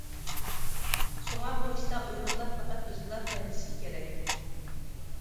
شۇڭا بۇ ئىشتا ئۇيغۇرلار پەقەت ئۆزىگىلا تايىنىشى كېرەك.